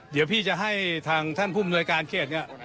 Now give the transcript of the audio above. เดี๋ยวพี่จะให้ท่านผู้บุญการเขตนี่